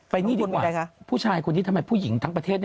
นี่ดีกว่าผู้ชายคนนี้ทำไมผู้หญิงทั้งประเทศ